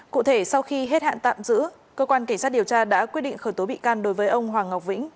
cụ thể sau khi hết hạn tạm giữ cơ quan cảnh sát điều tra đã quyết định khởi tố bị can đối với ông hoàng ngọc vĩnh